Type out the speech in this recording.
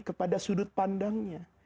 kepada sudut pandangnya